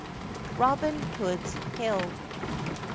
ROBIN HOOD'S HILL.